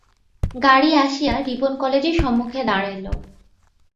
গাড়ী আসিয়া রিপন কলেজের সম্মুখে দাঁড়াইল।